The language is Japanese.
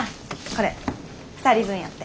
これ２人分やって。